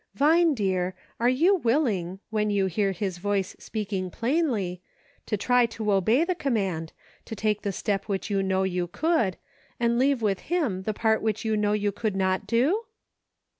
" Vine, dear, are you willing, when you hear his voice speaking plainly, to try to obey the com mand, to take the step which you know you could, and leave with Him the part which you know you could not do.